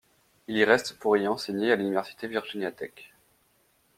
Il y reste pour y enseigner à l'Université Virginia Tech.